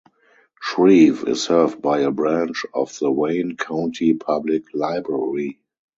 Shreve is served by a branch of the Wayne County Public Library.